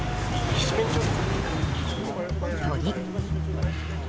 鳥。